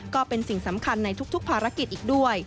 ก็เป็นสิ่งสำคัญในทุกภารกิจอีกด้วย